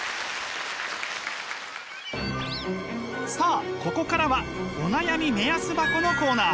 さあここからはお悩み目安箱のコーナー。